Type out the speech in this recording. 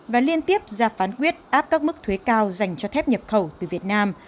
và liên tiếp ra phán quyết áp các mức thuế cao dành cho thép nhập khẩu từ việt nam